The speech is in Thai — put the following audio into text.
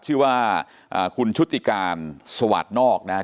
ชื่อว่าคุณชุติการสวาดนอกนะครับ